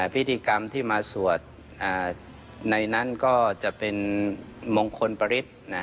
พิธีกรรมที่มาสวดในนั้นก็จะเป็นมงคลปริศ